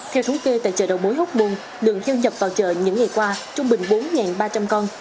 theo thống kê tại chợ đầu mối hốc buôn lượng heo nhập vào chợ những ngày qua trung bình bốn ba trăm linh con